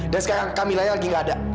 dan sekarang kamilanya lagi nggak ada